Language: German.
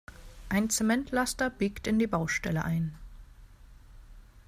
Ein Zementlaster biegt in die Baustelle ein.